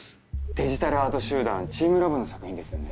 デジタルアート集団チームラボの作品ですよね？